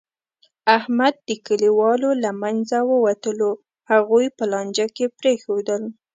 احمد د کلیوالو له منځه ووتلو، هغوی په لانجه کې پرېښودل.